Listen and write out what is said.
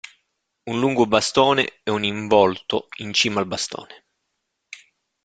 Un lungo bastone e un involto in cima al bastone.